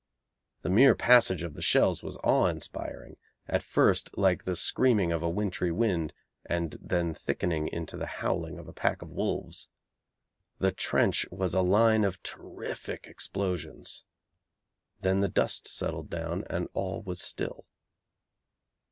The mere passage of the shells was awe inspiring, at first like the screaming of a wintry wind, and then thickening into the howling of a pack of wolves. The trench was a line of terrific explosions. Then the dust settled down and all was still.